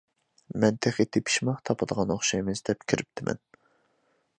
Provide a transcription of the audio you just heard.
مەن تېخى تېپىشماق تاپىدىغان ئوخشايمىز دەپ كىرىپتىمەن.